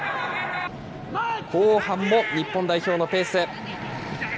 後半も日本代表のペース。